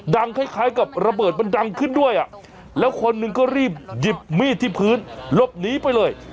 คล้ายกับระเบิดมันดังขึ้นด้วยอ่ะแล้วคนหนึ่งก็รีบหยิบมีดที่พื้นหลบหนีไปเลย